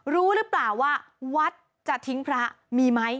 รู้หรือเปล่าว่าวัดจะทิ้งพระมีไหม